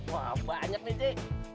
wah banyak nih ji